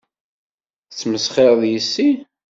Tesmesxireḍ yess-i?